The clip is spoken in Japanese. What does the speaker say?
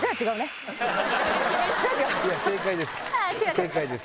正解です。